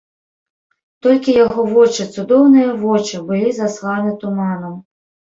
Толькі яго вочы, цудоўныя вочы, былі засланы туманам.